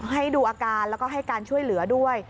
ให้ดูอาการแล้วก็ให้การช่วยเหลือด้วย